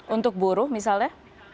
untuk buruh misalnya